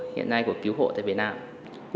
hiện nay của cứu hộ tại việt nam